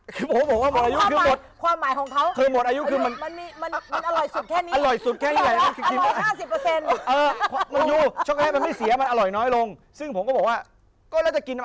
คือผมก็บอกว่าหมดอายุคือหมดคือหมดอายุคือมันมีมันอร่อยสุดแค่นี้